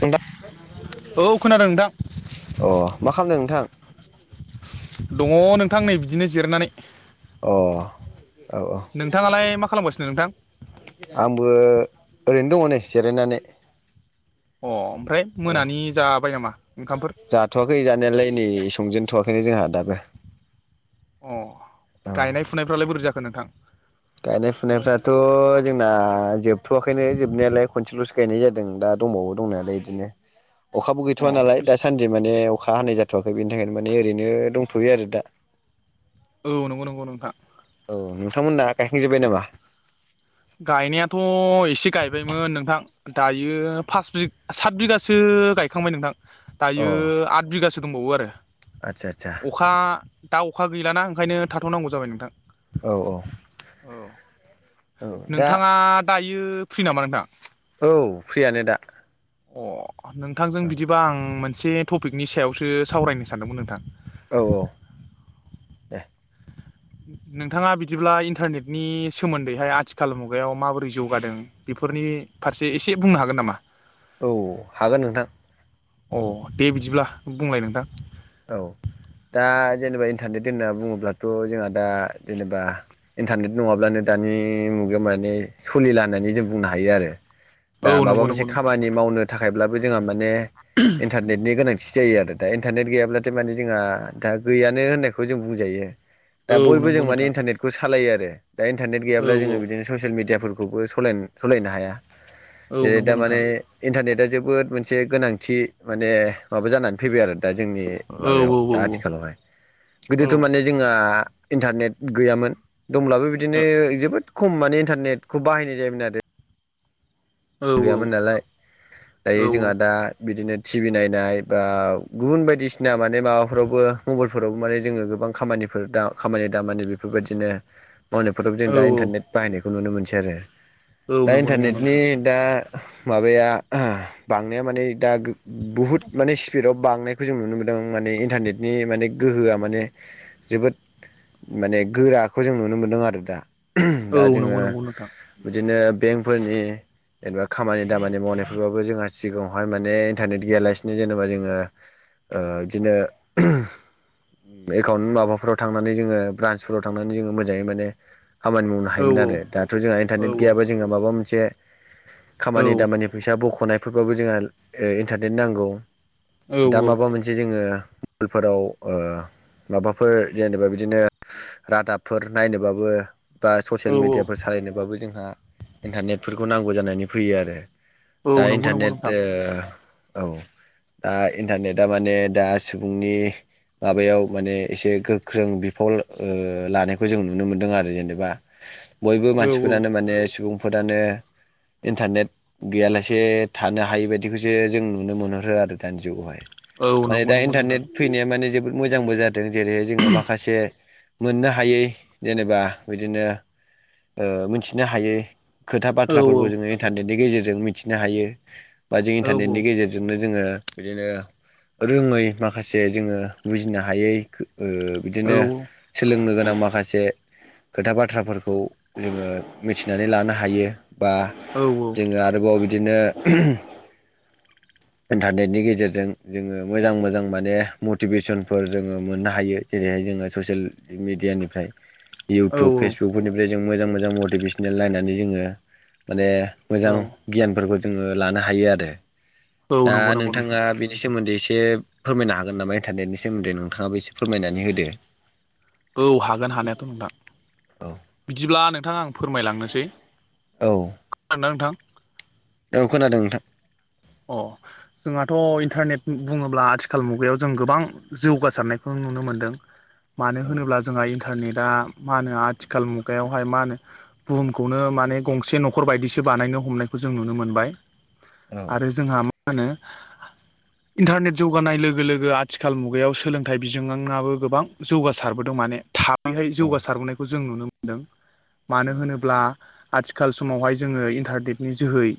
नोंथां औ खोनादों नोंथां अ मा खालामदों नोंथां? दङ नोंथां नै बिदिनो जिरनानै । अ औ औ नोंथाङालाय मा खालामगासिनो नोंथां आंबो ओरैनो दङ नै जिरायनानै । अ ओमफ्राय मोनानि जाबाय नामा? ओंखामफोर जाथ'वाखै जानायालाय नै संजेनथ'वाखैनो जोंहा दाबो । अ गायनाय फुनायफ्रालाय बोरै जाखो नोंथां? गायनाय फुनायफ्राथ' जोंना जोबथ'वाखैनो जोबनायालाय खनसेल'सो गायनाय जादों दा दंबावो दंनायालाय इदिनो अखाबो अ गैथ'व नालाय दा सानदि माने अखा हानाय जाथ'वाखै बिनि थाखायनो माने ओरैनो दंथ'यो आरो दा । औ नंगौ नंगौ नोंथां । नोंथांमोनना गायखां जोबबाय नामा? गायनायाथ' एसे गायबायमोन नोंथां दायो पास बि सात बिगासो सो गायखांबाय नोंथां अ दायो आद बिगासो दंबावो आरो आदसा आदसा । अखा दा अखा गैला ना ओंखायनो थाथ'नांगौ जाबाय नोंथां । औ औ औ औ दा नोंथाङा दायो फ्रि नामा नोंथां? औ फ्रियानो दा । अ नोंथांजों बिदिबा आं मोनसे टपिकनि सायावसो सावरायनो सानदोंमोन नोंथां । औ औ दे । नोंथाङा बिदिब्ला इन्टारनेटनि सोमोन्दैहाय आथिखाल मुगायाव माबोरै जौगादों बेफो फोरनि फारसे एसे बुंनो हागोन नामा? औ हागोन नोंथां । अ दे बिदिब्ला बुंलाय नोंथां । औ दा जेनेबा इन्टारनेट होनना बुङोब्लाथ' जोंहा दा जेनेबा इन्टारनेट नङाब्लानो दा दानि मुगायाव माने सलिला होननानै जों बुंनो हायो आरो । औ दा माबा नंगौ मोनसे नंगौ नोंथां खामानि मावनो थाखायब्लाबो जोंहा माने इन्टारनेटनि गोनां थि जायो आरो दा इन्टारनेट गैयाब्लाथाय माने जोंहा दा गैयानो होननायखौ जों बुंजायो । दा औ बयबो नंगौ जों माने नोंथां इन्टारनेटखौ सालायो आरो दा इन्टारनेट औ गैयाब्ला औ जोङो बिदिनो ससियेल मिडियाफोरखौबो सलायनो सलायनो हाया औ ए नंगौ नोंथां दामाने इन्टारनेआ जोबोद मोनसे गोनांथि माने माबा जानानै फैबाय आरो दा जोंनि औ माबायाव औ दा आथिखालावहाय औ गोदोथ' माने जोंहा इन्टारनेट गैयामोन । दंब्लाबो बिदिनो जोबोद खम माने इन्टारनेटखौ बाहायनाय जायोमोन आरो । औ गैयामोन नालाय दायो औ औ जोंहा दा बिदिनो टिभि नायनाय बा गुबुन बायदिसिना माने माबाफोरावबो मबाइलफोरावबो माने जोङो गोबां खामानि दा खामानि दामानि बेफोरबायदिनो मावनायफोराव जों दा इन्टारनेट बाहायनायखौ नुनो मोनसै आरो औ दा नंगौ नंगौ इन्टारनेटनि नोंथां दा माबाया बांनाया माने दा बुहुद माने स्पिडाव बांनायखौ जों नु नुनो मोनदों माने इन्टारनेटनि माने गोहोआ माने जोबोद माने गोराखौ जों नुनो मोनदों आरो दा औ दा जोङो नंगौ नंगौ नोंथां बिदिनो बेंकफोरनि जेनेबा खामानि दामानि मावनायफोर आवबो जोंहा सिगाङावहाय माने इन्टारनेट गैयालासिनो जेनेबा जोङो ओ बिदिनो एकाउन्ट माबाफोराव थांनानै जोङो ब्रान्सफोराव थांनानै जोङो मोजाङै माने खामानि मावनो औ हायोमोन आरो दाथ' जोंहा औ इन्टारनेट औ गैयाबा जोंहा माबा मोनसे खामानि दामानि फैसा बख'नायफोरबाबो जोंहा इन्टारनेट नांगौ। दा माबा मोनसे जोङो फोराव ओ माबाफोर जेनेबा बिदिनो रादाबफोर नायनोबाबो बा औ ससियेल मिडियाफोर सालायनोबाबो जोंहा इन्टारनेटफोरखौ नांगौ जानानै फैयो आरो। दा औ नंगौ नंगौ इन्टारनेट नोंथां ओ औ। दा इन्टारनेटआ माने दा सुबुंनि माबायाव माने एसे गोख्रों बिफल ओ लानायखौ जों नुनो मोनदों आरो जेनेबा बयबो औ औ मानसिफोरानो माने सुबुंफोरानो इन्टारनेट गैयालासे थानो हायि बायदिखौसो जों नुनो मोनहरो आरो दानि जुगावहाय औ माने नंगौ दा नंगौ नोंथां इन्टारनेट फैनाया माने जोबोद मोजांबो जादों जेरैहाय जोङो माखासे मोननो हायै जेनेबा बिदिनो मिथिनो हायै खौ औ बाथ्राफोरखौ जोङो इन्टारनेटनि गेजेरजों मिथिनो हायो बा जों औ इन्टारनेटनि गेजेरजोंनो जोङो बिदिनो रोङै माखासे जोङो बुजिनो हायै ओ औ बिदिनो सोलोंनो गो नां माखासे खोथा बाथ्राफोरखौ जोङो मिथिनानै लानो हायो। बा औ जोङो आरोबाव बिदिनो [inaudible] इन्टारनेटनि गेजेरजों जोङो मोजां मोजां माने मटिभेसनफोर जोङो मोननो हायो जेरैहाय जोङो ससियेल मिडियानिफ्राय। औ इउटुब फेसबुकफोरनिफ्राय जों मोजां मोजां मटिभेसनेल नायनानै जोङो माने औ मोजां गियानफोरखौ जोङो लानो हायो आरो औ दा नंगौ नंगौ नोंथां नोंथाङा बेनि सोमोन्दै एसे फोरमायनो हागोन नामा इन्टारनेटनि सोमोन्दै नोंथाङाबो एसे फोरमायनानै होदो। औ हागोन हानायाथ' नोंथां। औ बिदिब्ला नोंथाङा आं फोरमायलांनोसै। औ ना नोंथां? औ खोनादों नोंथां। अ जोंहाथ' इन्टारनेट बुङोब्ला आथिखाल मुगायाव जों गोबां जौगासारनायखौ नुनो मोनदों। मानो औ होनोब्ला जोंहा इन्टारनेटा मा होनो आथिखाल मुगायावहाय मा होनो बुहुमखौनो माने गंसे न'खर बायदिसो बानायनो हमनायखौ जों नुनो मोनबाय। औ आरो जोंहा मा होनो इन्टारनेट जौगानाय लोगो लोगो आथिखाल मुगायाव सोलोंथाइ बिजोङाबो गोबां जौगासारबोदों मा माने थाबैहाय औ जौगासारबोनायखौ जों नुनो मोन्दों मानो होनोब्ला आथिखाल समावहाय जोङो इन्टारनेटनि जोहै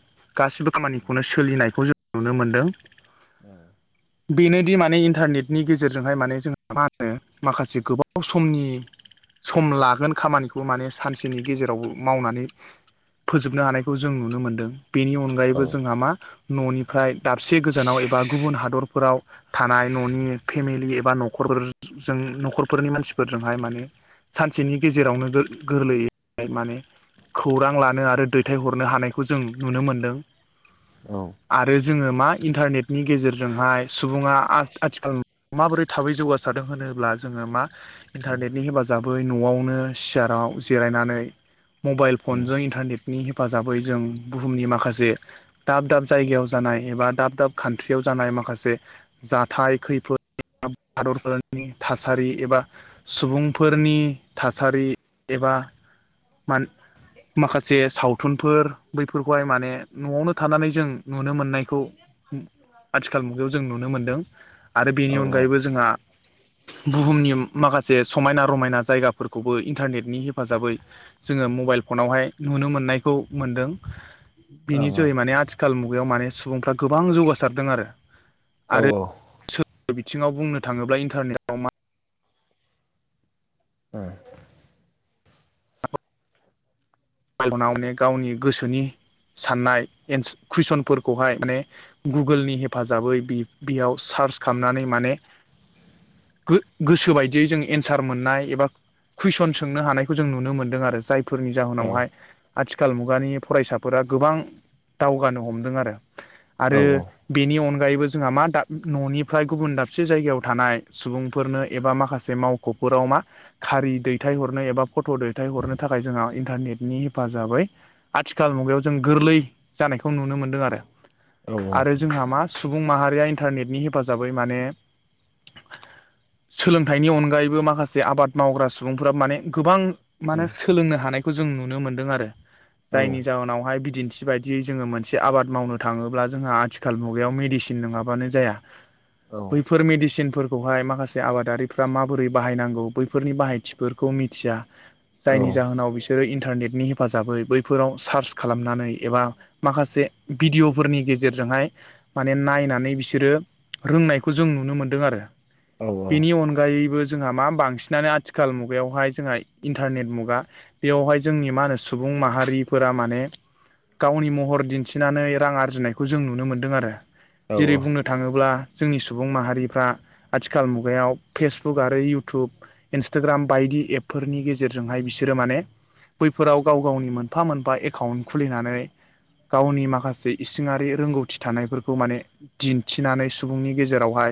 गासिबो खामानि खौनो सोलिनायखौ जों नुनो मोनदों। [inaudible] बेनोदि माने इन्टारनेटनि गेजेरजोंहाय माने जोंहा मा होनो माखासे गोबाव समनि सम लागोन खामानिखौ माने सानसेनि गेजेरावबो मावनानै फोजोबनो हानायखौ जों नुनो मोन्दों बेनि औ अनगायैबो जों न'निफ्राय दाबसे गोजानाव एबा गुबुन हादरफोराव थानाय न'नि फेमिलि बा न'खरफोरजों न'खरफोरनि मानसिफोरजोंहाय माने सानसेनि गेजेरावनो गोरलैय माने खौरां लानो आरो दैथायहरनो हानायखौ जों नुनो मोनदों औ आरो जोङो मा इन्टारनेटनि गेजेरजोंहाय सुबुङा आथिखाल माबोरै थाबै जौगासारदों होनोब्ला जोङो मा इन्टारनेटनि हेफाजाबै न'आवनो सियाराव राव जिरायनानै मबाइल फनजों इन्टारनेटनि हेफाजाबै जों बुहुमनि माखासे दाब दाब जायगायाव जानाय एबा दाब दाब कान्ट्रियाव जानाय माखासे जाथाय खैफोद हादरफोरनि थासारि एबा सुबुंफोरनि थासारि एबा म माखासे सावथुनफोर बैफोरखौहाय माने न'आवनो थानानै जों नुनो मोननायखौ आथिखाल मुगायाव जों नुनो मोनदों आरो बेनि औ अनगायैबो जोंहा बुहुमनि माखासे समायना रमायना जायगाफोरखौबो इन्टारनेटनि हेफाजाबै जोङो मबाइल फन आावहाय नुनो मोननायखौ मोनदों औ बिनि औ जोहै माने आथिखाल मुगायाव माने सुबुंफ्रा गोबां जौगासारदों आरो औ औ सोर बिथिङाव बुंनो थाङोब्ला इन्टारनेटआव मा फल'नावनो गावनि गोसोनि साननाय एनस कुइसनफोरखौहाय माने गुगोलनि हेफाजाबै बे बेयाव सा सार्च खालामनानै माने गो गोसो बायदियै जों एन्सार मोननाय एबा कुइसन सोंनो हानायखौ जों नुनो मोन्दों आरो जायफोरनि जाहोनावहाय आथिखाल मुगानि फरायसाफोरा गोबां दावगानो हमदों आरो आरो बेनि अन -गायैबो जोंहा मा दा न'निफ्राय गुबुन दाबसे जायगायाव थानाय सुबुंफोरनो एबा माखासे मावख' फोराव मा खारि दैथायहरनो एबा फट' दैथाय हरनो थाखाय जोंहा इन्टारनेट बिनि हेफाजाबै आथिखाल मुगायाव जों गोरलै जानायखौ नुनो मोनदों आरो औ आरो जोंहा मा सुबुं माहारिया इन्टारनेटनि हेफाजाबै माने सोलोंथाइनि अनगायैबो माखासे आबाद मावग्रा सुबुंफोरा माने गोबां माने सोलोंनो हानायखौ जों नुनो मोनदों आरो औ जायनि जाहोनावहाय बिदिन्थि बायदियै जोङो मोनसे आबाद मावनो थाङोब्ला जोंहा आथिखाल मुगायाव मेडिसिन -इन नङाबानो जाया औ बैफोर मेडिसिनफोरखौहाय माखासे आबादारिफ्रा माबोरै बाहायनांगौ बैफोरनि बाहायथिफोरखौ मिथिया जायनि जाहोनाव बिसोरो इन -टारनेटनि हेफाजाबै बैफोराव सार्च खालामनानै एबा माखासे भिडिअ'फोरनि गेजेरजों -हाय माने नायनानै बिसोरो रोंनायखौ जों नुनो मोनदों आरो औ बेनि अनगायैबो जोंहा मा बांसिनानो आथिखाल मुगायावहाय जोंहा इन्टारनेट मुगा बेयावहाय जोंनि मा होनो सुबुं माहारिफोरा माने गावनि महर दिन्थिनानै रां आरजिनायखौ जों नुनो मोन्दों आरो औ जेरै बुंनो थाङोब्ला जोंनि सुबुं माहारिफ्रा आथिखाल मुगायाव फेसबुक आरो इउटुब इनसटाग्राम बाय -दि एपफोरनि गेजेरजोंहाय बिसोरो माने बैफोराव गाव गावनि मोनफा मोनफा एकाउन्ट खुलिनानै गावनि माखासे इसिङारि रोंगौथि थानायफोरखौ माने दिन्थिनानै सुबुंनि गेजेरावहाय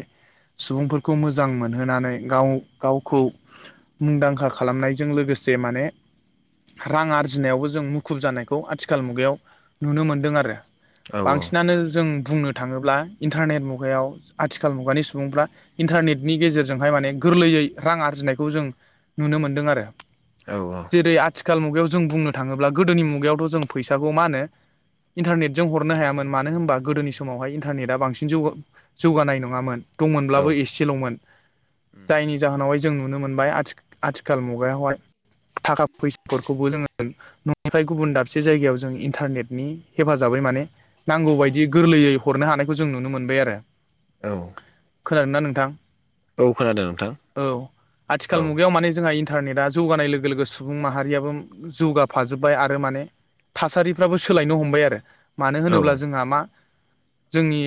सुबुंफोरखौ मोजां मोनहोनानै गाव गावखौ मुंदांखा खालामनायजों लोगोसे -से माने रां आरजिनायावबो जों मुखुब जानायखौ आथिखाल मुगायाव नुनो मोनदों आरो औ बांसिनानो जों बुंनो थाङोब्ला इन्टारनेट मुगायाव आथिखाल मुगानि सुबुंफ्रा इन्टारनेटनि गेजेरजोंहाय माने गोरलैयै रां आरजिनायखौ जों नुनो मोन्दों आरो। औ औ खाल मुगायाव जों बुंनो थाङोब्ला गोदोनि मुगायावथ' जों फैसाखौ मा होनो इन्टारनेटजों हरनो हायामोन मानो होनबा गोदोनि समावहाय इन्टारनेटा बांसिन जौग जौगानाय नङामोन। दंमोनब्लाबो एसेल'मोन जायनि जाहोनावहाय जों नुनो मोनबाय आथि आथिखाल मुगायावहाय थाखा फैसाफोरखौबो जोङो न'निफ्राय गुबुन दाबसे जायगायाव जों इन्टारनेटनि हेफाजाबै माने नांगौ बायदि गोरलैयै हरनो हानायखौ जों नुनो मोनबाय आरो औ खोनादों ना नोंथां खोनादों नोंथां औ औ आथिखाल मुगायाव माने जोंहा इन न्टारनेटआ जौगानाय लोगो लोगो सुबुं माहारियाबो जौगाफाजोब्बाय आरो माने थासारिफ्राबो सोलायनो हमबाय आरो मानो औ होनोब्ला जोंहा मा जोंनि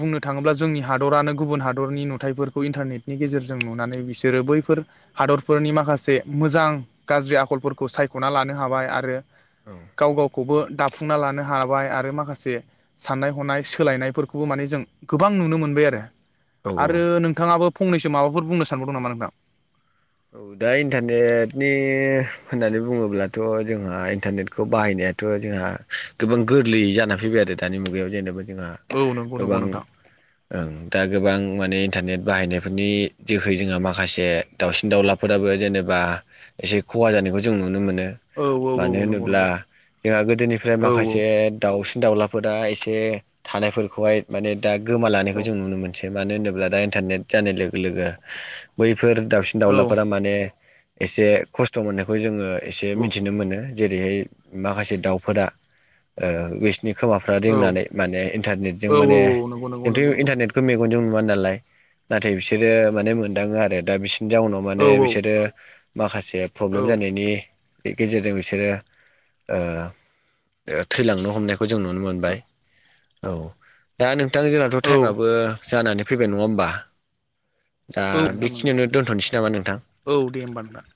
बुंनो थाङोब्ला जोंनि हादरानो गुबुन हादरनि नुथायफोरखौ इन्टारनेटनि गेजेरजों नुनानै बि सोरो बैफोर हादरफोरनि माखासे मोजां गाज्रि आखलफोरखौ सायख'ना लानो हाबाय आरो गाव गावखौबो दाफुंना लानो हाबाय आरो माखासे साननाय हनाय सोलायनायफोरखौबो माने जों गोबां नुनो मोनबाय आरो औ आरो नोंथाङाबो फंनैसो माबाफोर बुंनो सानबावदों नामा नोंथां औ दा इन्टारनेटनि होननानै बुङोब्लाथ' जोंहा इन्टारनेटखौ बाहायनायाथ' जोंहा गोबां गोरलै जानानै फैबाय आरो दानि मुगायाव जेनेबा जोंहा औ नंगौ नंगौ गोबां नोंथां ओं दा गोबां माने इन्टारनेट बाहायनायफोरनि जोहै जोंहा माखासे दाउसिन दाउलाफ फोराबो जेनेबा एसे खहा जानायखौ जों नुनो मोनो । औ औ मानो औ नंगौ होनोब्ला नंगौ जोंहा गोदोनिफ्राय औ माखासे दाउसि दाउलाफोरा एसे थानायफोरखौहाय माने दा गोमा लांनायखौ औ नंगौ औ जों नुनो मोनसै । मानो होनोब्ला दा इन्टारनेट जानाय लोगो लोगो बैफोर दावसिन दावलाफ औ माने एसे खस्थ' मोननायखौ जोङो एसे मिथिनो मोनो । जेरैहाय माखासे दाउफोरा ओ विस्थ नि खोमाफ्रा रोंनानै माने इन्टारनेटजों माने नंगौ नंगौ जोंथु नंगौ नंगौ इन्टारनेटखौ मेगनजों नु वानालाय नाथाय बिसोरो माने मोनदाङो आरो दा बिसिनि जाउनाव औ माने बिसोरो माखासे औ प्रब्लेम जानायनि गेजेरजों बिसोरो ओ ओ थैलांनो हमनायखौ जों नुनो मोनबाय औ दा नों थां जोंनाथ' औ टाइमाबो जानानै फैबाय नङा होमबा दा नोंथां नंगौ बेखिनियावनो दोनथ'नसै औ दे होमबा नोंथां।